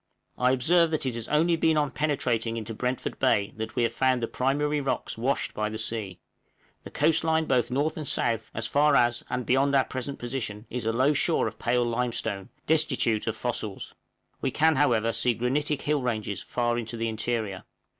I observe that it has only been on penetrating into Brentford Bay that we have found the primary rocks washed by the sea; the coast line both north and south, as far as, and beyond our present position, is a low shore of pale limestone, destitute of fossils; we can, however, see granitic hill ranges far in the interior.